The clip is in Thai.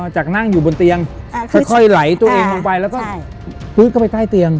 จากนั่งอยู่บนเตียงค่อยไหลตัวเองลงไปแล้วก็ปื๊ดเข้าไปใต้เตียง